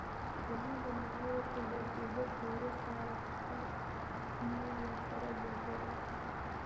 زما درناوی ورته زیاتېده خو وروسته رخه مې ورسره زیاتېدله.